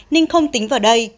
nên không tính vào đây